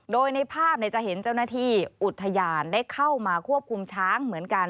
โดยในภาพจะเห็นเจ้าหน้าที่อุทยานได้เข้ามาควบคุมช้างเหมือนกัน